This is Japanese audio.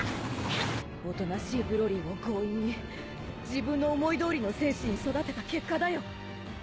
おとなしいブロリーを強引に自分の思いどおりの戦士に育てた結果だよ。